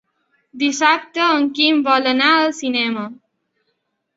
Dissabte en Quim vol anar al cinema.